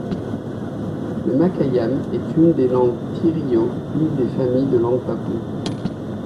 Le makayam est une des langues tirio, une des familles de langues papoues.